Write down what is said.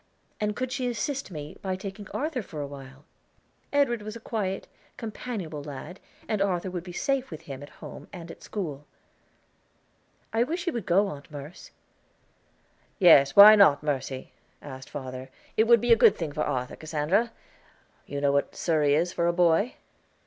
And could she assist me by taking Arthur for a while? Edward was a quiet, companionable lad, and Arthur would be safe with him at home and at school. "I wish you would go, Aunt Merce." "Yes, why not, Mercy?" asked father. "Would it be a good thing for Arthur, Cassandra? You know what Surrey is for a boy."